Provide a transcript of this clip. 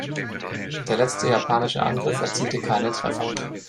Der letzte japanische Angriff erzielte keine Treffer.